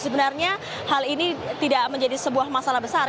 sebenarnya hal ini tidak menjadi sebuah masalah besar